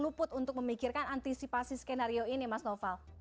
luput untuk memikirkan antisipasi skenario ini mas noval